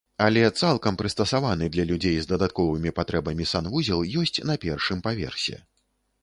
Але цалкам прыстасаваны для людзей з дадатковымі патрэбамі санвузел ёсць на першым паверсе.